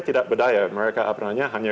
tidak berdaya mereka apa namanya hanya